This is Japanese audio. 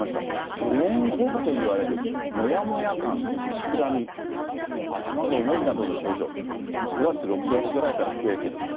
ブレーンフォグといわれるもやもや感、立ちくらみ、頭が重いなどの症状、５月６月ぐらいから増えてると。